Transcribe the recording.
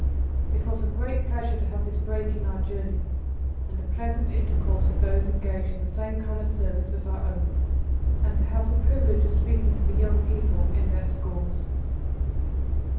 It was a great pleasure to have this break in our journey and the pleasant intercourse with those engaged in the same kind of service as our own, and to have the privilege of speaking to the young people in their schools.